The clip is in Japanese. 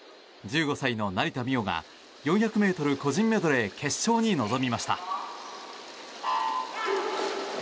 １５歳の成田実生が４００ｍ個人メドレー決勝に臨みました。